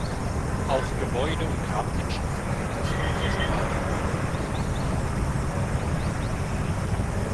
Auch Gebäude- und Grabinschriften gibt es in dieser Sprache.